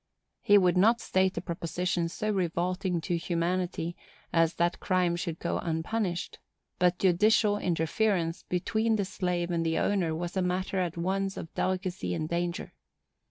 He would not state a proposition so revolting to humanity as that crime should go unpunished; but judicial interference between the slave and the owner was a matter at once of delicacy and danger.